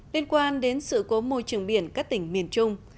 liên quan đến sự cố môi trường biển các tỉnh miền trung